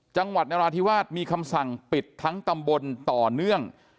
จังหวัดนราธิวาสมีคำสั่งปิดทั้งตำบลต่อเนื่อง